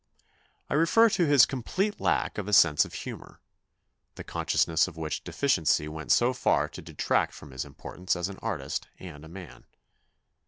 I refer to his complete lack of a sense of humour, the consciousness of which deficiency went so far to detract from his importance as an artist and a man.